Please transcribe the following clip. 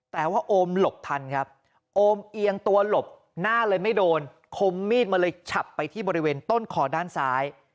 แต่ว่าโอมหลบทันครับโอมเอียงตัวหลบหน้าเลยไม่โดนคมมีดมาเลยฉับไปที่บริเวณต้นคอด้านซ้าย